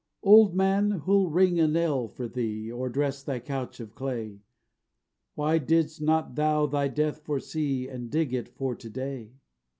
Old man, who'll ring a knell for thee, Or dress thy couch of clay? Why didst not thou thy death foresee, And dig it for to day?